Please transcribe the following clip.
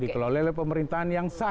di kelola pemerintahan yang sah